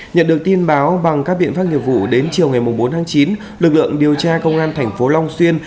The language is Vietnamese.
nhận được tin báo bằng các biện pháp nghiệp vụ đến chiều ngày bốn tháng chín lực lượng điều tra công an thành phố long xuyên